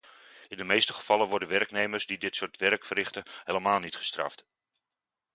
In de meeste gevallen worden werknemers die dit soort werk verrichten, helemaal niet gestraft.